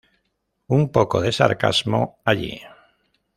Un poco de sarcasmo allí.